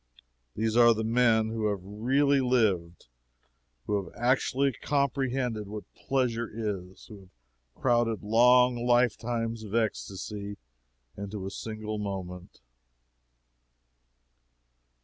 These are the men who have really lived who have actually comprehended what pleasure is who have crowded long lifetimes of ecstasy into a single moment.